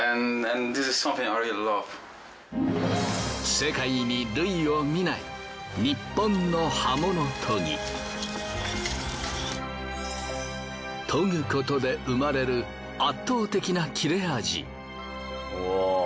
世界に類を見ない研ぐことで生まれる圧倒的な切れ味。